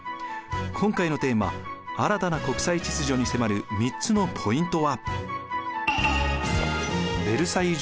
今回のテーマ「新たな国際秩序」に迫る３つのポイントは。